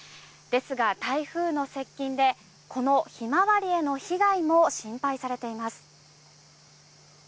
ですが、台風の接近でこのヒマワリへの被害も心配されています。